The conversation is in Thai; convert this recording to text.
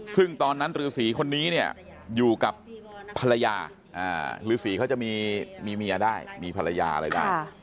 ซึ่งตอนนั้นฤษีคนนี้เนี่ยอยู่กับภรรยาฤษีเขาจะมีเมียได้มีภรรยาอะไรได้